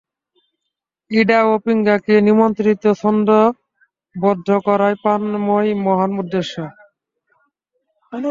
ইড়া ও পিঙ্গলাকে নিয়ন্ত্রিত ও ছন্দোবদ্ধ করাই প্রাণায়ামের মহান উদ্দেশ্য।